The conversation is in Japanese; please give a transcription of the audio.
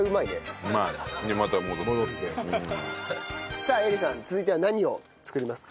さあ英里さん続いては何を作りますか？